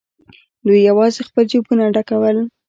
دوی یوازې خپل جېبونه ډکول.